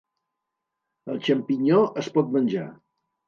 El xampinyó es pot menjar.